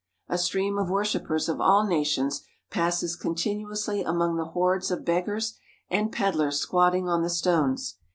A stream of worshippers of all nations passes contin uously among the hordes of beggars and pedlars squat ting on the stones.